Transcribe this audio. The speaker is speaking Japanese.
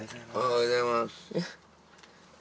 おはようございます。